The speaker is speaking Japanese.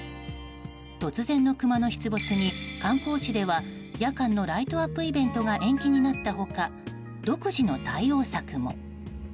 突然のクマの出没に、観光地では夜間のライトアップイベントが延期になった他独自の対応策も。